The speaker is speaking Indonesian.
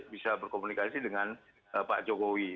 bisa berkomunikasi dengan pak jokowi